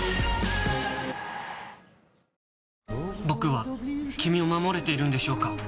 僕は君を守れているんでしょうか？